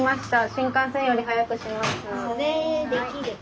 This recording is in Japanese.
新幹線より速くします。